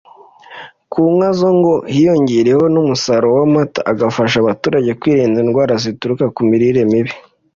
Ku nka zo ngo hiyongeraho n’umusaruro w’amata agafasha abaturage kwirinda indwara zituruka ku mirire mibi